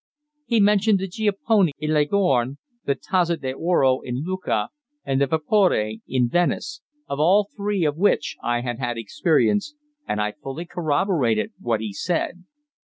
He mentioned the Giaponne in Leghorn, the Tazza d'Oro in Lucca, and the Vapore in Venice, of all three of which I had had experience, and I fully corroborated what he said.